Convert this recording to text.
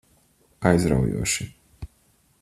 Aizraujoši.